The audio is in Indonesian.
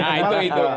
nah itu itu